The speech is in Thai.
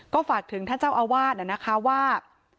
ก็ฝากถึงท่านเจ้าอาวาสนะคะว่า